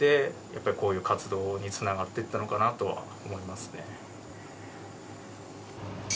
やっぱりこういう活動につながっていったのかなとは思いますね。